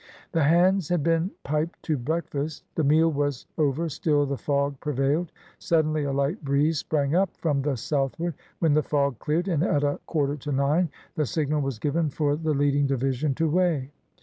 The hands had been piped to breakfast. The meal was over, still the fog prevailed. Suddenly a light breeze sprang up from the southward, when the fog cleared, and at a quarter to nine the signal was given for the leading division to weigh.